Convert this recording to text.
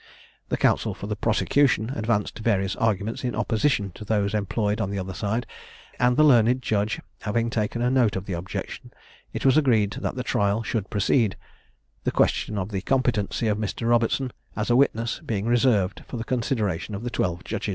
The counsel for the prosecution advanced various arguments in opposition to those employed on the other side, and the learned judge having taken a note of the objection, it was agreed that the trial should proceed, the question of the competency of Mr. Robertson as a witness being reserved for the consideration of the twelve judges.